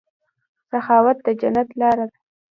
سخاوت د جنت لاره ده.